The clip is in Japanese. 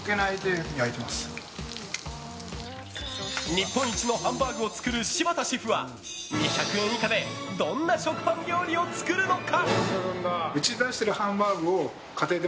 日本一のハンバーグを作る柴田シェフは２００円以下でどんな食パン料理を作るのか？